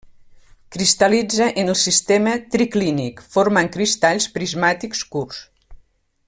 Cristal·litza en el sistema triclínic formant cristalls prismàtics curts.